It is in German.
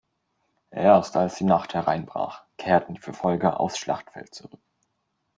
Erst als die Nacht hereinbrach, kehrten die Verfolger aufs Schlachtfeld zurück.